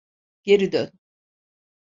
Geri dön!